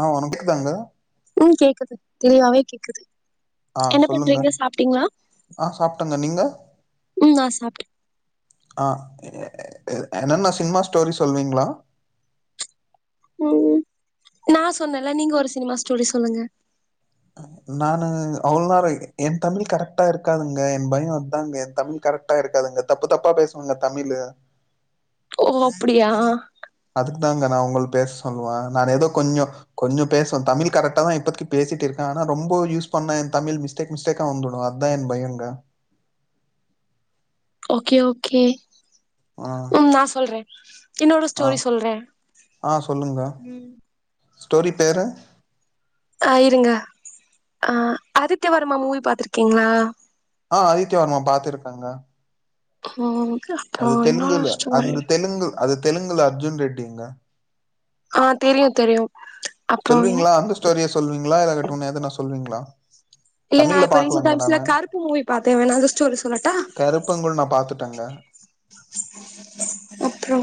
ஆஹ் ஒனுக்கு தாங்க உம் கேக்குது தெளிவாவே கேக்குது ஆ என்ன சொல்லுங்க பண்றீங்க சாப்பிட்டிங்களா ஆ சாப்ட்டங்க நீங்க உம் நான் சாப்பிட்டேன் ஆஹ் என்னன்ன சினிமா ஸ்டோரி சொல்லுவீங்களா ம் நா சொன்னேன்ல நீங்க ஒரு சினிமா ஸ்டோரி சொல்லுங்க ம் நானு அவ்ளவா [unintelligible] என் தமிழ் கரெக்டா இருக்காதுங்க என் பயோ அதாங்க ஏன் தமிழ் கரெக்டா இருக்காதுங்க தப்பு தப்பா பேசுவங்க தமிழு. ஓ அப்பிடியா உங்கள் பேச சொல்லுவா நானு ஏதோ கொஞ்சோ கொஞ்சோ பேசுவ தமிழ் கரெக்டாதா இப்பத்திக்கி பேசிட்டு இரு க்கே ஆனா ரொம்ப யூஸ் பண்ணா ஏன் தமிழ் மிஸ்டேக் மிஸ்டேக்கா வந்துடு அதான் என் பயோங்க ஓகே ஓகே ஆ ம் நா சொல்றே என்னோட ஆ ஸ்டோரி சொல்றே ஆ சொல்லுங்க ம் ஸ்டோரி பேரு ஆ இருங்க ஆ ஆதித்ய வர்மா மூவி பாத்துருக்கீங்களா ஆ ஆதித்யவர்மா பாத்திருக்கங்க ம் அப்றோ அது என்னோட தெலுங்குல ஸ்டோரி அந்த தெலுங்கு அது தெலுங்குல அர்ஜுன் ரெட்டிங்க ஆ தெரியு தெரியு அப்றோ சொல்வீங்களா அந்த ஸ்டோரிய சொல்வீங்களா இல்லாகாட்டு இன்ன எதுனா சொல்வீங்களா இல்ல நா தமிழ்ல ரீசன்ட் பாக்கலாங்க டைம்ஸ்ல நானு கருப்பு மூவி பாத்தே வேண்ணா அந்த ஸ்டோரி சொல்லட்டா கருப்பங்கூழ் நான் பாத்துட்டேங்க அப்றோ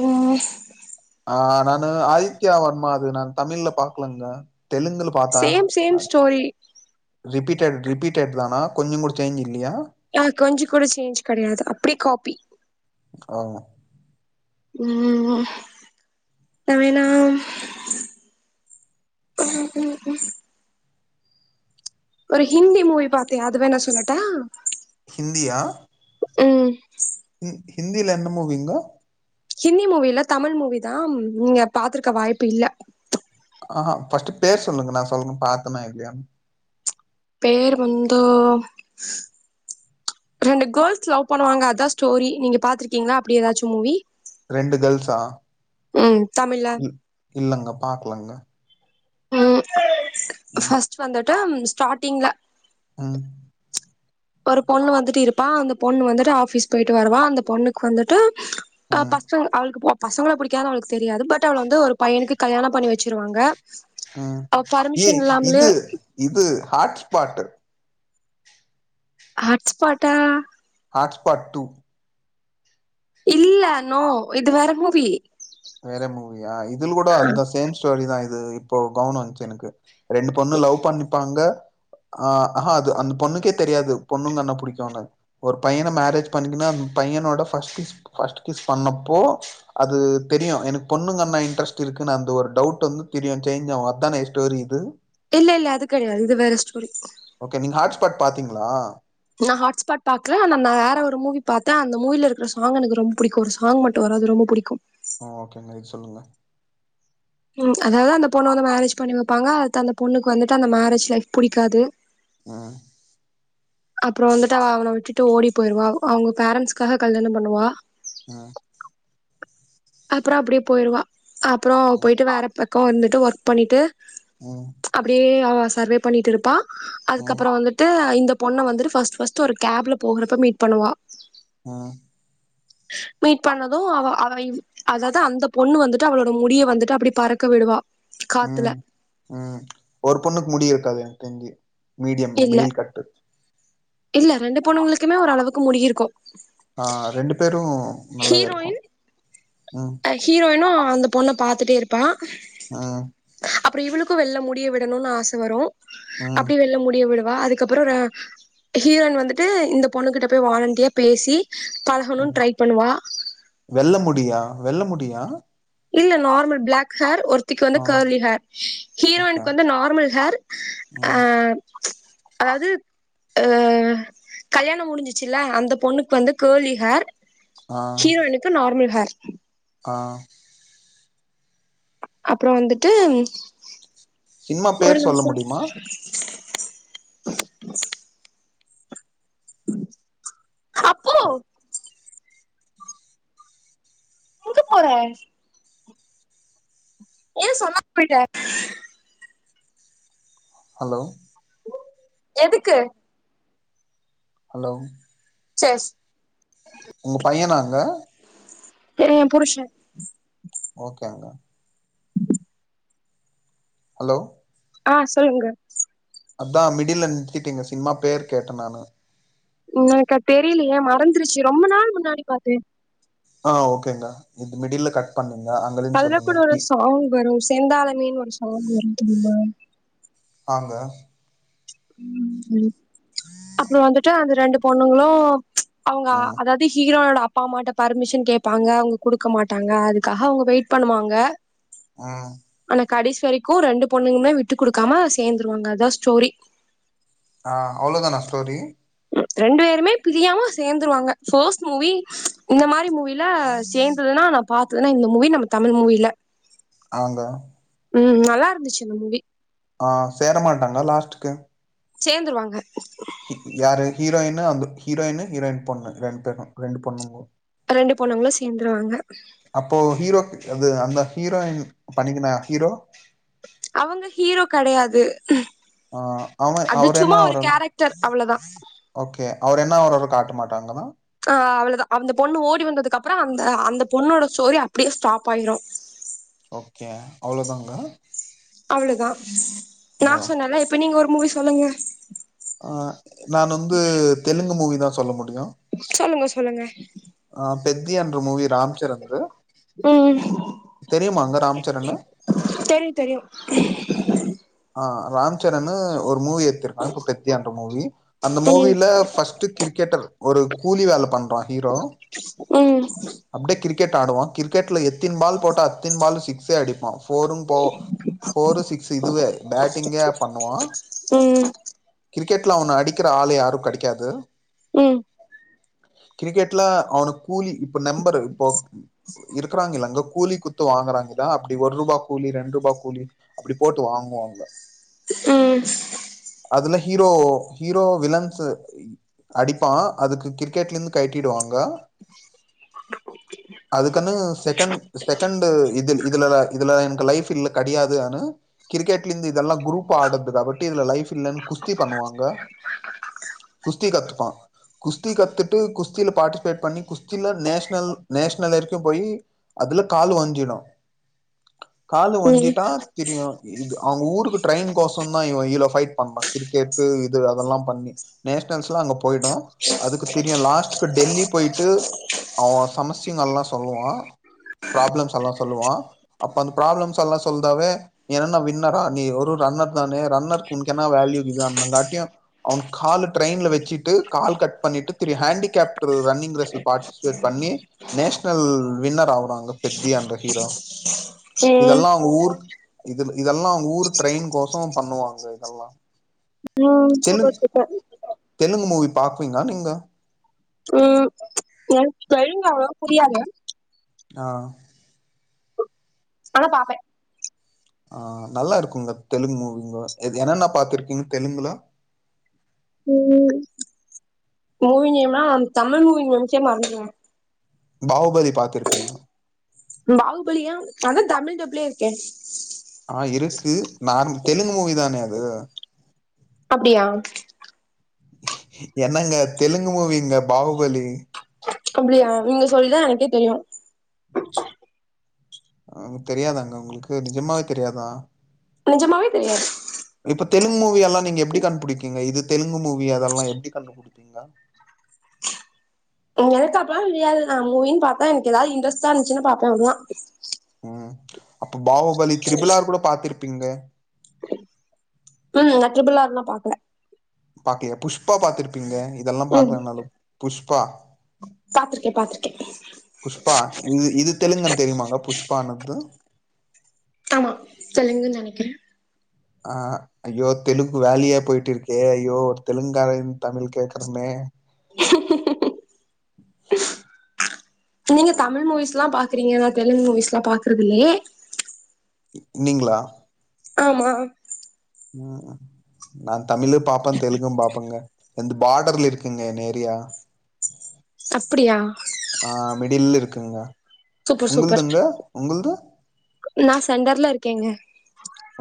ஆ நானு ஆதித்யா வர்மா அது நான் தமிழ்ல பாக்கலங்கா தெலுங்குல பாத்தா சேம் ஆ சேம் ஸ்டோரி ரிபீட் டட் ரிப்பீட்டட்தானா கொஞ்சங் கூட சேஞ்சு ஆ கொஞ்ச கூட சேஞ்ச் கெடையாது அப்படியே காப்பி. ஓ ம் வேண்ணா ம் ம் ம் ம் ஒரு ஹிந்தி மூவி பாத்தே அது வேண்ணா சொல்லட்டா? ஹிந்தியா? ம் ஹி ஹிந்தில என்ன மூவிங்கோ? ஹிந்தி மூவி இல்ல தமிழ் மூவிதா ம் நீங்க பாத்துருக்க வாய்ப்பு இல்ல ஆ ஹா ஃபஸ்ட்டு பேர் சொல்லுங்க நா சொல்ற பாத்தனா இல்லயானு பேர் வந்து ரெண்டு கேர்ள்ஸ் லவ் பண்ணுவாங்க அதா ஸ்டோரி. நீங்க பாத்திருக்கீங்களா அப்டி ஏதாச்சு மூவி? ரெண்டு கேர்ள்ஸா ம் தமிழ்ல ம் இல்லங்க பாக்கலங்க ம் ம் ஃபஸ்ட் வந்து ட்டு ஸ்டாட்டிங்ல ம் ஒரு பொண்ணு வந்துட்டு இருப்பா அந்த பொண்ணு வந்துட்டு ஆஃபீஸ் போயிட்டு வருவா அந்த பொண்ணுக்கு வந்துட்டு ஆ.. ம் பசங்க அவளுக்கு போ பசங்களை பிடிக்காது அவளுக்கு தெரியாது, பட் அவளை வந்து ஒரு பையனுக்கு கல்யாணம் பண்ணி வச்சிருவாங்க.. உஹம் அவ ஏ, பர்மிஷன் இல்லாமலே இது.. இது.. ஹாட்ஸ்பாட்.. ஆஹ்ட்ஸ் பாட்டா... ஆர்ட்ஸ் பார்ட் டூ இல்ல... நோ., இது வேற மூவி.. வேற மூவியா... இதுல கூட அந்த சேம் ஸ்டோரி தான். இ இது, இப்போ கவனம் வந்துச்சு எனக்கு. ரெண்டு பொண்ணு லவ் பண்ணிப்பாங்க.. ஆஹ்.. ஆஹா.. அது அந்த பொண்ணுக்கே தெரியாது, பொண்ணுங்கென்னா புடிக்கும்னு., ஒரு பையனை மேரேஜ் பண்ணிங்கன்னா அந்த பையனோட ஃபர்ஸ்ட் ஸ் ஃபஸ்ட் கிஸ் பண்ணப்போ அது... தெரியும், எனக்கு பொண்ணுங்க என்ன இன்ட்ரெஸ்ட் இருக்குன்னு அந்த ஒரு டவுட் வந்து தெரியும் சேஞ்ச் ஆகும்., அது தானே ஸ்டோரி இது இல்ல.. இல்ல.. அது கிடையாது இது வேற ஸ்டோரி.. ஓகே., நீங்க ஹாட் ஸ்பாட் பாத்தீங்களா.. நான் ஹாட்ஸ்பாட் பாக்ல.. ஆனா நான் வேற ஒரு மூவி பார்த்தேன், அந்த மூவி ல இருக்கற சாங் எனக்கு ரொம்ப பிடிக்கும்., ஒரு சாங் மட்டும் வரும்., அது ரொம்ப பிடிக்கும். ஆஹ ஓகேங்க இது சொல்லுங்க உம்.. அதாவது அந்த பொண்ணை வந்து மேரேஜ் பண்ணி வைப்பாங்க, அது அந்த பொண்ணுக்கு வந்துட்டு, அந்த மேரேஜ் லைஃப் புடிக்காது. ஆஹ்... அப்புறம் வந்துட்டு, அவ அவனை விட்டுட்டு ஓடி போயிருவா, அவங்க பேரண்ட்ஸ்க்காக கல்யாணம் பண்ணுவா. ஆஹ் அப்புறம் அப்படியே போயிருவா., அப்புறம் அவ போயிட்டு வேறப்ப.. அக்கா வந்துட்டு ஒர்க் பண்ணிட்டு ம் அப்டியே அவா சர்வே பண்ணிட்டு இருப்பா ம் அதுக்கப்புறம் வந்துட்டு இந்த பொண்ணை வந்துட்டு் ஒரு கேப்ல போகறப்ப மீட் பண்ணுவா ம் மீட் பண்ணதும் அவ அவை அதாவது அந்த பொண்ணு வந்துட்டு அவளோட முடிய வந்துட்டு அப்ப்டடி பறக்க விடுவா காத்துல உம் உம் ஒரு பொண்ணுக்கு முடி இருக்காது தி மீடியம் இல்ல விடியில் கட்டு இல்ல ரெண்டு பொனவங்களுக்குமே ஒரு அளவுக்கு முடியிருக்கும் ஆஹ் ரெண்டு பேரும் நல்லாவே இருக்கு ம் ஹரோயன்ஹரோயன்ும் பொண்ணை பாரத்துுட்டே இருப்பா ம் அப்புறம் இவ்வளவுக் வெல்ல முடிய விடணும்னு ஆசை வரும் ம் அப்படியே வெல்ல முடிய விடும் வா அதுக்கப்புறம் ஹீரோயின் வந்துட்டு இந்த பொண்ணு கிட்ட போய் வாலண்டியா பேசி பழகனும் ட்ரை பண்ணுவா வெல்ல முடியும் ஆ வெல்ல முடியா இல்ல நார்மல் பிளாக் ஹேர் ஒரு த்திக்கு வந்து ஆ கர்லி ஹேர் ஓகே ஹீரோயின்க்கு வந்து நார்மல் ஹேர் ஆ ம் அதாவது ஆ கல்யாணம் முடிஞ்சிச்சுல அந்த பொண்ணுக்கு வந்து கர்லி ஹேர் ஆ ஹீரோயின்க்கு நார்மல் ஹேர் ஆ அப்புறம் வந்துட்டு சினிமா ஒரு பேர் சொல்ல நிமிஷம் முடியுமா அப்பு ஆ எங்க போற ஏன் சொன்ன போயிட்ட ஹலோ எதுக்கு ஹலோ சியர்ஸ் உங்க பையனாங்க ஏன் புருஷன் ஓகேங்க ஹலோ ஆ சொல்லுங்க அதான் மிடில்ல நிறுத்திட்டீங்க சும்மா பேர் கேட்டேன் நானு ம் கா தெரியலையே மறந்துருச்சு ரொம்ப நாள் முன்னாடி பார்த்தேன் ஆ ஓகேங்கா இது மிடில்ல கட் பண்ணு அதுல கூட ஒரு சாங் வரும் செந்தாளமேனு ஒரு சாங் வரும் தெரியுமா ஆங்க ம் ம் அப்புறம் வந்துட்டு அந்த ரெண்டு பொண்ணுங்களும் அவங்க ம் அதாவது ஹீரோயோட அப் அப்பாமாட்ட பர்மிஷன் கேப்பாங்க அவங்க குடுக்க மாட்டாங்க அதுக்காக அவங்க வெயிட் பண்ணுவாங்க ஆ கடேஸ் வரைக்கு ரெண்டு பொண்ணுங்குமே விட்டு குடுக்காம சேந்துருவாங்க அதா ஸ்டோரி ஆ அவ்ளோதானா ஸ்டோரி ரெண்டு பேருமே பிரியாம சேர்ந்துருவாங்க [unintelligible] மூவி இந்த மாதிரி மூவி இல்ல சேர்ந்துதுனா பாத்ததுனா இந்த மூவி நம்ம தமிழ் மூவில ஆங்க உ நல்லா இருந்துச்சு அந்த மூவி ஆ சேர மாட்டாங்க லாஸ்ட்க்கு சேர்ந்துருவாங்க யாரு ஹீரோயின்னு அந்த ஹீரோயின்னு ஹீரோயின் பொண்ணு ரெண்டு பேரும் ரெண்டு பொண்ணுங்க ரெண்டு பொண்ணுங்களு சேர்ந்துருவாங்க அப்போ ஹீரோக்கு அது அந்த ஹீரோயின் பண்ணிக்குனா ஹீரோ அவங்க ஹீரோ கிடையாத து உ ஆ அவ அவர் என்ன ஆவரார் உ கேரக்டர் அவ்வளவுதான் ஓகே அவர் என்ன ஆவரார் காட்ட மாட்டாங்கன்னா அ அவ்ளதா அந்த பொண்ணு ஓடி வந்ததுக்கு அப்றோ அந்த அந்த பொண்ணோட ஸ்டோரி அப்டியே ஸ்டாப் ஆயிரு ஓகே அவ்ளோதாங்க அவ்ளதா நா பா சொன்னல இப்ப நீங்க ஒரு மூவி சொல்லுங்க ஆ நா வந்து தெலுங்கு மூவி தா சொல்ல முடியு சொல்லுங்க சொல்லுங்க பெத்தியா ன்ற மூவிய உ தெரியுமாங்க ராம்சரனு தெரியு தெரியு ஆ ராம் சரனு ஒரு மூவி எடுத்துருக்கா பெத்தியா என்ற மூவி அந்த உம் மூவில ஃபஸ்ட் கிரிக்கெட்டர் ஒரு கூலி வேல பண்றா ஹீரோ உ அப்டியே கிரிக்கெட் ஆடுவா கிரிக்கெட்ல எத் த்தீன் பால் போட்டா அத் தின் பால் சிக் ச அடிப் பா ஃபோரு போ ஃபோரு சிக்ஸு இதுவே பேட்டிங்கே பண்ணுவா ம் கிரிக் க்கெட்ல அவனு அடிக்கிற ஆள் யாரு கடைக்காது ம் கிரிக்கெட்ல அவனு கூலி இப்ப மெம்பரு இப்போ இருக்கிறாங்கில்லங்க கூலி குத்து வாங்குறாங்கதா அப்டி ஒர் ருபா கூலி ரெண் ருபா கூலி அப்டி போட்டு வாங்குவாங்க ம் அதுல ஹீரோ ஹீரோ விலன்ஸ அடிப்பா அதுக்கு கிரிக்கெட்லெந்து கழட்டிடுவாங்க அதுக்குன்னு செகண்ட் செகண்ட்டு இதுல் இதுல இது எனக்கு லைஃப் இல்ல கடயாது‌ஆனா கிரிக்கெட்லெந்து இதெல்லா குரூப்பா ஆடதுதா ஒட்டி இதுல லைஃப் இல்லன் குஸ்தி பண்ணுவாங்க குஸ்தி கத்துப்பா குஸ்தி கத்துட்டு குஸ் தில பாட்டுஸ்பேட் பண்ணி குஸ் தில நேஷ்னல் நேஷ்னல் வரைக்கு போயி அதுல கால் ஒஞ்சிடு காலு ஒஞ்சிட்டா தெரியு இது அவுங்க ஊருக்கு ட்ரெயின் கோசொந்தா இவ இவ்ள ஃபைட் பண்ணா கிரிக்கெட்டு இ து அதல்லா பண்ணி நேஷ்னல் ஸ்ல அங்க போயிடு அதுக்கு தெரியு லாஸ்ட்க்கு டெல்லி போயிட்டு அவ சமஸ்டினல்லா சொல்லுவா ப்ராப்ளம்ஸ் எல்லா சொல்லுவா அப்ப அந்த ப்ரா ப்ளம்ஸ் எல்லா சொல்தாவே நீ என்னன்ன வின்னரா நீ ஒரு ரன்னர் தானே ரன்னர்க்கு உன்க் என்ன வேல்யூ இது அந்தங்காட்டியு அவனுக் காலு ட்ரைன்ல வெச்சி ட்டு கால் கட் பண்ணிட்டு தரி ஹேண்டிகேப்ட்ரு ரன்னிங் ரே ஸு பாட் ஸ்பேட் பண்ணி நேஷ்னல் வின்னர் ஆவுறாங்க பெத்திய அன்ற ஹீரோ ம் இதெல்லா அவுங்க ஊர் இதுல் இதெல்லா அவுங்க ஊரு ட்ரெயின் கோசொ பண்ணுவாங்க இதெல்லா ம் சூப்பர் சூப்பர் பாக்குவிங்ளா நீங்க? ம் எனக் தெலுங் அவ்ளவா புரியாது ஆ ஆனா பாப்பே ஆ நல்லாருக்குங்க தெலுங்கு மூவிங்க என்னன்ன பாத்துருக்கீங்க தெலுங்குல ம் மூவி நேம்னா தமிழ் மூவி நேம்ஸே மறந்துருவே பாகுபலி பாத்துருப்பீங்க பாகுபலியா அதா தமிழ் டப்லே இருக்கே ஆ இருக்கு நார் தெலுங்கு மூவி தானே அது அப்டியா என்னங்க தெலுங்கு மூவிங்க பாகுபலி அப்டியா நீங்க சொல்லிதா எனக்கே தெரியு அ தெரியாதாங்க உங்களுக்கு நிஜமாவே தெரியாதா நெஜமாவே தெரியாது இப்ப தெலுங்கு மூவி யெல்லா நீங்க எப்டி கண்டுபிடிப்பிங்க இது தெலுங்கு மூவி அதெல்லா எப்டி கண்டுபிடிப்பிங்க எனக்கு அப்பல்லா தெரியாது நா மூவின் பாத்தா எனக்கு ஏதாவது இன்ரெஸ்டா இருந்துச்சுன்னாதா பாப்பேன் அவ்ளதா அப்டி [unintelligible] பாகுபலி திரிபுலார் கூட பாத்திரு ப்பிங்களே ம் நா ட்ரிபிள் ஆர் ல பாக்கல பாக்கலயா புஷ்பா பாத்துருபீங்களே இதெல்லா ம் பாக்கலயினாலு புஷ்பா பாத்திருக்கே பாத்திருக்கே புஷ்பா இது இது தெலுங்குனு தெரியுமாங்க புஷ்பானாது தெலுகுன்னு நெனக்குறே ஆ ஐயோ தெலுங்கு வேலயா போயிட்டுயிருகே ஐயோ தெலுங்கார தமிழ் கேக்கணுமே நீங்க தமிழ் மூவிஸ்லா பாக்குறிங்க நா தெலுங்கு மூவிஸ்லா பாக்குறதுயில்லையே நீங்களா ஆமா ம் நா தமிலும் பாப்பே தெலுங்கு பாப்பேங்க எந்து பாடர்ல இருக்குங்க எங்க ஏரியா அப்புடியா ஆ மிடில்ல இருக்கேங்க சூப்பர் சூப்பர் உங்குள்துங்க உங்குள்து நா செண்டர்ல இருகேங்க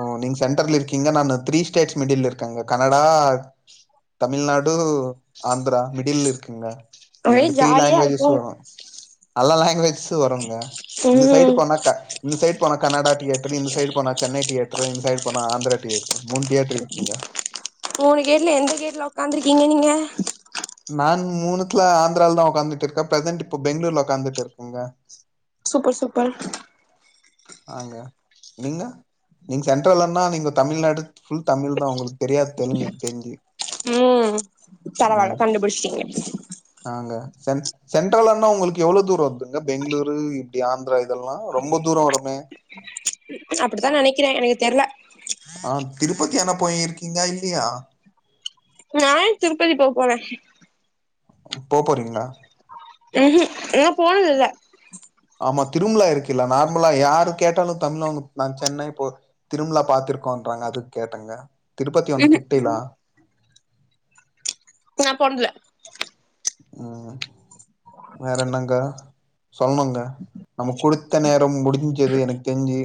ஆ நீங் சென்டர்ல இருகீங்க நா த்ரீ ஸ்டேஸ் மிடில்ல இருக்கேங்க கனடா தமிழ்நாடு ஆந்ரா மிடில இருக்குங்க ஒரே ஜாலியா இருக்கு அல்லா லேங்குவேஜ் து வருங்க இந்த சைடு ம் போனா இந்த சைடு போன கனடா டியடர் இந்த சைடு போனா சென்னை டியடர் த்ர இந்த சைடு போன ஆந்திர டியடர் மூனு கேட்ல எந்த கேட்ல உக்காந்துருக்கீங்க நீங்க [inaudible] நா மூனுத்துல ஆந்திராவில தா உக்காந்துட்டுருக்கே பிரசன்ட் இப்ப பெங்களூர்ல உக்காந்துட்டுருக்குகேங்க சூப்பர் சூப்பர் ஆங்க நீங்க நீங்க சென்ட்ரல்னா நீங்க தமிழ்நாடு ஃபுல் தமிழ் தா உங்களுகு தெரியா தெலுங்கு தெரிஞ்சி ம் பரவால கண்டுபுடிஸ்டிங்க ஆங்க சென் சென்ட்ரலனா உங்களுக்கு எவ்ளோ தூர வருதுங்க பெங்களூரு இப்டி ஆந்ரா இதெல்லா ரொம்ப தூர வ மே அப்டிதா நெனைக்கிற எனக்கு தெர்ல ஆ திருப்பதி ஆனா போயிருகிங்கா இல்லியா நா ஏ திருப்பதி போ போற போ போறிங்ளா உஹம் நா போனதில்ல ஆமா திருமுலா இருக்கில்ல நார்மலா யாரு கேட்டாலும் தமிழ் அவ்ங்க நா சென்னை போ திரும்லா பாத்திருக்கோன்றாங்க அதுக் கேட்டங்க திருப்பத்தி ஒன்னு ம் ஹும் கிட்டில்லா நா போனதில்ல ம் வேற என்னங்கா சொல்னுங்க நம்முக் குடுத்த நேரோ முடிஞ்சது எனக் தெஞ்சு